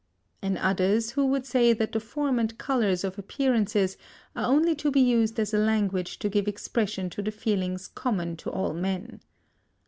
And others who would say that the form and colour of appearances are only to be used as a language to give expression to the feelings common to all men.